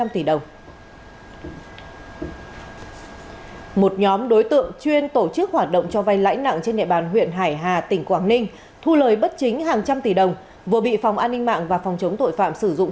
tổng tiền lãi thu lời bất chính lên tới gần ba trăm linh tỷ đồng